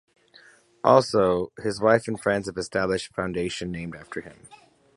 Also, his wife and friends have established a Foundation named after him.